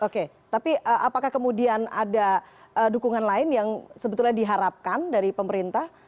oke tapi apakah kemudian ada dukungan lain yang sebetulnya diharapkan dari pemerintah